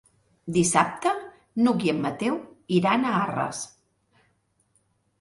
Dissabte n'Hug i en Mateu iran a Arres.